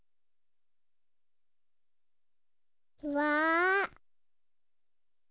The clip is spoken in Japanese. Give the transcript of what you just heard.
うわ。